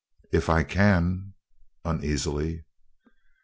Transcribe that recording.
"If I can," uneasily.